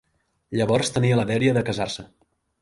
Llavors tenia la dèria de casar-se.